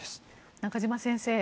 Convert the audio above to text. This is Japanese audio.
中嶋先生